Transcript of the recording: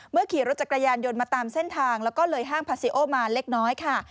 ขี่รถจักรยานยนต์มาตามเส้นทางแล้วก็เลยห้างพาซิโอมาเล็กน้อยค่ะ